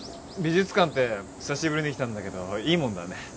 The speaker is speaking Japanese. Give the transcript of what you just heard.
美術館って久しぶりに来たんだけどいいもんだね。